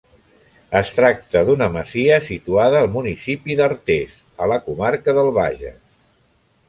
Es tracta d'una masia situada al municipi d'Artés a la comarca del Bages.